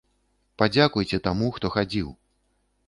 Падзякуйце таму, хто хадзіў.